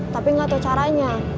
tapi gak tau caranya